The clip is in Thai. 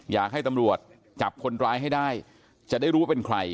อยากให้ตำรวจจับคนร้ายให้ได้จะได้รู้ว่าเป็นใคร